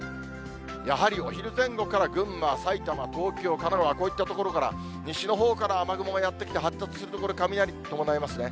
やはりお昼前後から群馬、埼玉、東京、神奈川、こういった所から、西のほうから雨雲がやって来て、発達すると雷が伴いますね。